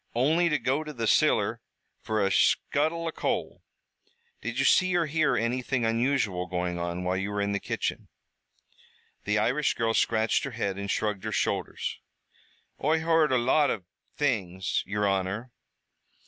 "Only to go to the ciller fer a scuttle o' coal." "Did you see or hear anything unusual going on while you were in the kitchen?" The Irish girl scratched her head and shrugged her shoulders. "Oi heard a lot av things, yer honor."